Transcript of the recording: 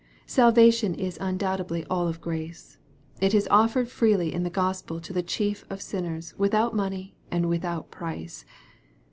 ^ Salvation is undoubtedly all of grace. It is offered freely in the Gospel to the chief of sinners, without money and without price.